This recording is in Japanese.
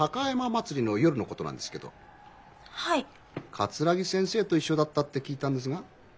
桂木先生と一緒だったって聞いたんですが？